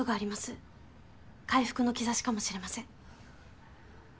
回復の兆しかもしれません。